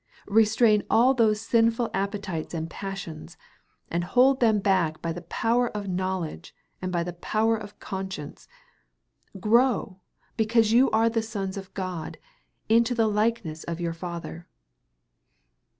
Restrain all those sinful appetites and passions, and hold them back by the power of knowledge and by the power of conscience; grow, because you are the sons of God, into the likeness of your Father."